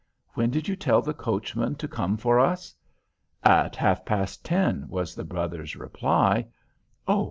When did you tell the coachman to come for us?" "At half past ten," was the brother's reply. "Oh!